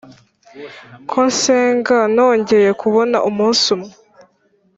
ko nsenga nongeye kubona umunsi umwe.